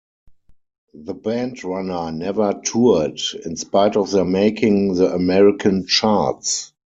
The band Runner never toured, in spite of their making the American charts.